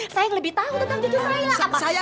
saya yang lebih tahu tentang jujur saya